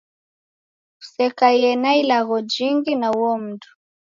Kusekaie na ilagho jingi na uo mundu.